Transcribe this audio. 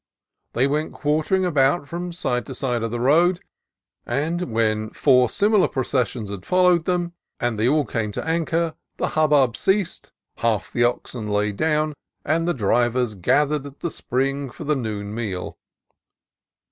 They went quartering about from side to side of the road, and when four similar processions had followed them, and they had all come to anchor, the hubbub ceased, half the oxen lay down, and the drivers gathered at the spring for the noon meal.